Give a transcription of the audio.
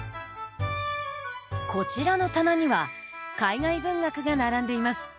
こちらの棚には海外文学が並んでいます。